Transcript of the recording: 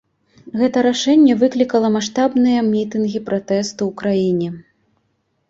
Гэта рашэнне выклікала маштабныя мітынгі пратэсту ў краіне.